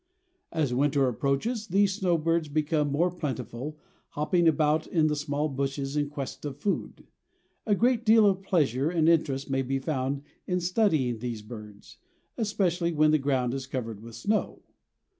As winter approaches these snowbirds become more plentiful, hopping about in the small bushes in quest of food. A great deal of pleasure and interest may be found in studying these birds, especially when the ground is covered with snow.